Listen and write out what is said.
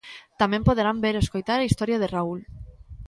Tamén poderán ver e escoitar a historia de Raúl.